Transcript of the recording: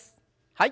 はい。